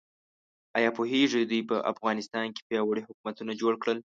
ایا پوهیږئ دوی په افغانستان کې پیاوړي حکومتونه جوړ کړل؟